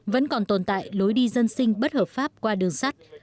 vẫn còn tồn tại lối đi dân sinh bất hợp pháp qua đường sắt